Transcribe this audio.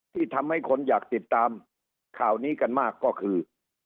ที่ทำให้คนอยากติดตามข่าวนี้กันมากก็คือ